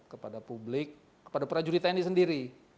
kepada publik kepada prajurit tni sendiri